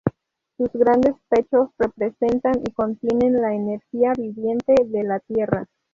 Sus grandes pechos representan y contienen la energía viviente de la tierra.